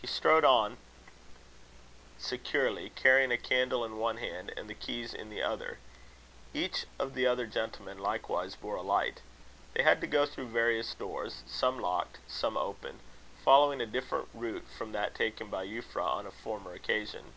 He strode on securely, carrying a candle in one hand, and the keys in the other. Each of the other gentlemen likewise bore a light. They had to go through doors, some locked, some open, following a different route from that taken by Euphra on a former occasion.